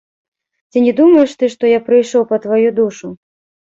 Ці не думаеш ты, што я прыйшоў па тваю душу?